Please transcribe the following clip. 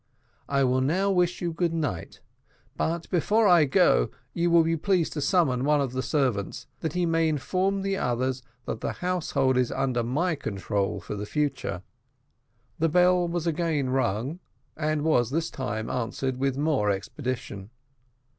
I will now wish you goodnight; but before I go, you will be pleased to summon one of the servants that he may inform the others that the household is under my control for the future." The bell was again rung, and was this time answered with more expedition.